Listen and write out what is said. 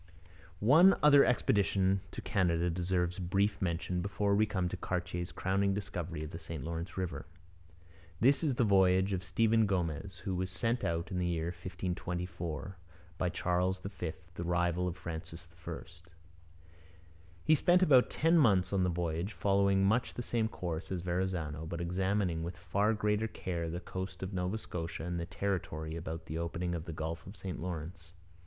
One other expedition to Canada deserves brief mention before we come to Cartier's crowning discovery of the St Lawrence river. This is the voyage of Stephen Gomez, who was sent out in the year 1524. by Charles V, the rival of Francis I. He spent about ten months on the voyage, following much the same course as Verrazano, but examining with far greater care the coast of Nova Scotia and the territory about the opening of the Gulf of St Lawrence.